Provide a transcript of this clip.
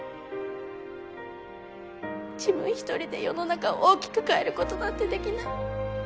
自分ひとりで世の中を大きく変えることなんてできない。